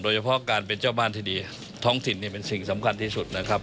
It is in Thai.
โดยเฉพาะการเป็นเจ้าบ้านที่ดีท้องถิ่นนี่เป็นสิ่งสำคัญที่สุดนะครับ